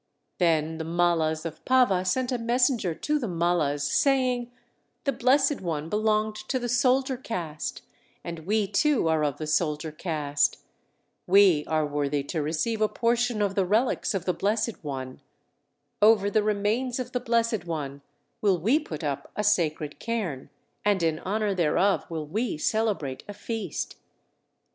Then the Mallas of Pava sent a messenger to the Mallas, saying, "The Blessed One belonged to the soldier caste, and we too are of the soldier caste. We are worthy to receive a portion of the relics of the Blessed One. Over the remains of the Blessed One will we put up a sacred cairn, and in honor thereof will we celebrate a feast!"